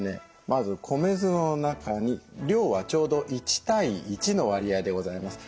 まず米酢の中に量はちょうど１対１の割合でございます。